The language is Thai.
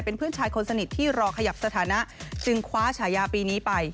เป็นเพื่อนชายคนสนิทที่รอขยับสถานะจึงคว้าฉายาปีนี้ไป